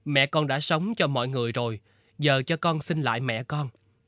mẹ con đã sống cho mọi người rồi giờ cho con xin lại mẹ con